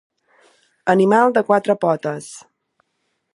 Animal de quatre potes.